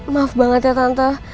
maaf banget ya tante